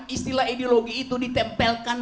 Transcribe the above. istilah ideologi itu ditempelkan